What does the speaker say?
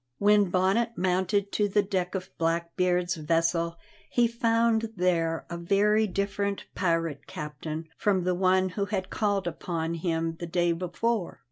When Bonnet mounted to the deck of Blackbeard's vessel he found there a very different pirate captain from the one who had called upon him the day before.